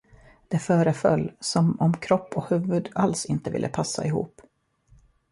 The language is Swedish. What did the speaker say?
Det föreföll, som om kropp och huvud alls inte ville passa ihop.